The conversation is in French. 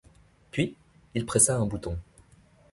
Puis, il pressa un bouton.